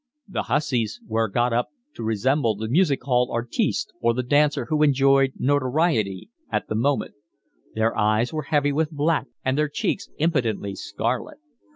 The hussies were got up to resemble the music hall artiste or the dancer who enjoyed notoriety at the moment; their eyes were heavy with black and their cheeks impudently scarlet.